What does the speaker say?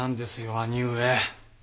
兄上。